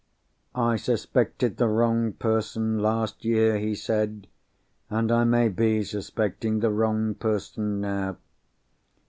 "I suspected the wrong person, last year," he said: "and I may be suspecting the wrong person now.